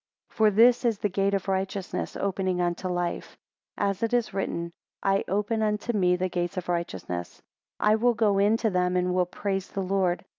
28 For this is the gate of righteousness, opening unto life: As it is written, I Open unto me the gates of righteousness; I will go into them and will praise the Lord.